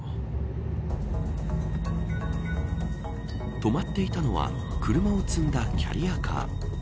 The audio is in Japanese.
止まっていたのは車を積んだキャリアカー。